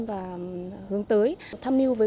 và hướng tới tham mưu với